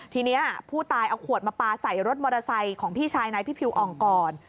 ทีนี้ผู้ตายเอาขวดมาปลาใส่รถมอเตอร์ไซค์ของพี่ชายนายพิพิวอ่องก่อน